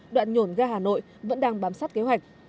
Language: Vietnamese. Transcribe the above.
đoạn nhổn ga hà nội vẫn đang bám sát kế hoạch